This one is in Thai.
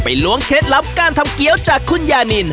ล้วงเคล็ดลับการทำเกี้ยวจากคุณยานิน